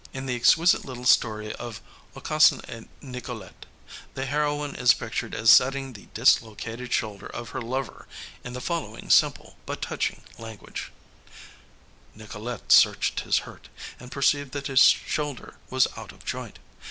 In the exquisite little story of Aucassin et Nicolette, the heroine is pictured as setting the dislocated shoulder of her lover in the following simple but touching language: "Nicolette searched his hurt, and perceived that his shoulder was out of joint.